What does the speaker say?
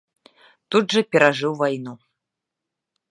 Тут жа перажыў вайну.